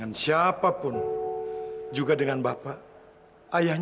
cari nebennya jangan di morgan